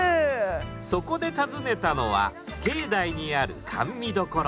そこで訪ねたのは境内にある甘味処。